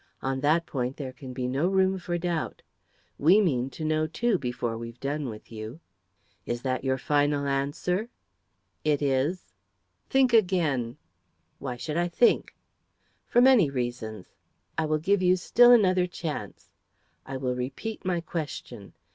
On that point there can be no room for doubt. We mean to know, too, before we've done with you. Is that your final answer?" "It is." "Think again." "Why should I think?" "For many reasons. I will give still another chance; I will repeat my question.